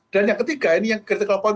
dan yang ketiga ini yang critical point